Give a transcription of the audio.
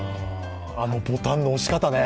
あのボタンの押し方ね。